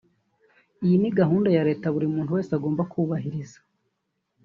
Iyi ni gahunda ya Leta buri muntu wese agomba kubahiriza